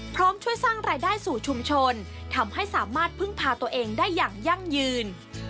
พร้อมช่วยสร้างรายได้สู่ชุมชนทำให้สามารถพึ่งพาตัวเองได้อย่างยั่งยืน